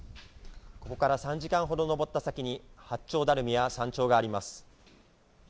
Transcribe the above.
ここから３時間ほど登った先に、八丁ダルミや山頂があります。